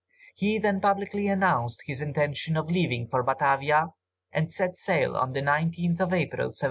He then publicly announced his intention of leaving for Batavia and set sail on the 19th of April, 1743.